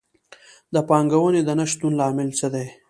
د پانګونې د نه شتون لامل څه دی؟